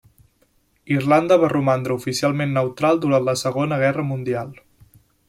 Irlanda va romandre oficialment neutral durant la Segona Guerra Mundial.